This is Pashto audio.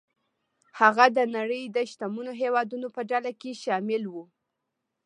هغه د نړۍ د شتمنو هېوادونو په ډله کې شامل و.